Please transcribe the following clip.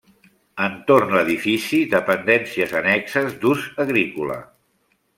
Entorn l'edifici, dependències annexes d'ús agrícola.